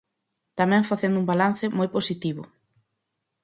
Tamén facendo un balance moi positivo.